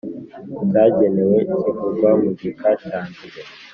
Cyagenwe kivugwa mu gika cya mbere